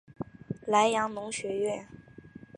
莱阳农学院。